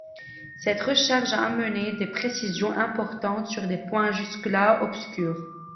Cette recherche a amené des précisions importantes sur des points jusque-là obscurs.